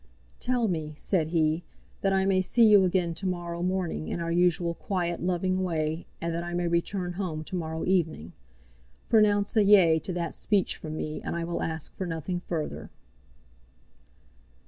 "Tell me," said he, "that I may see you again to morrow morning in our usual quiet, loving way, and that I may return home to morrow evening. Pronounce a yea to that speech from me, and I will ask for nothing further."